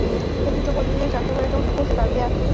根据中国吉林省四平市梨树县的真实故事改编。